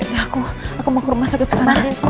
ya aku aku mau ke rumah sakit sekarang